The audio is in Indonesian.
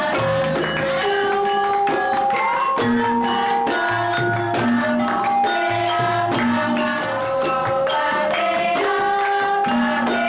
yom u bukbuk cak cak cak nabut rehat banga